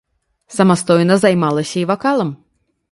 Самастойна займалася і вакалам.